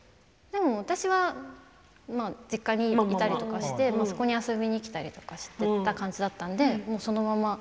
私は実家にいたりとかしてそこに遊びに来たりしていた感じだったのでそのまま。